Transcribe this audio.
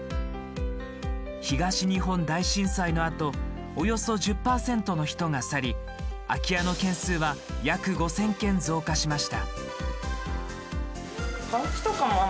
東日本大震災のあとおよそ１０％の人が去り空き家の軒数は約５０００軒増加しました。